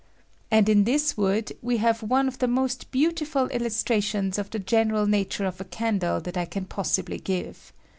And in this wood we have one of the most beautiful illustrations of the general na ture of a candle that I can possibly give.